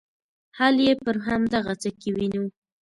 حل یې پر همدغه څه کې وینو.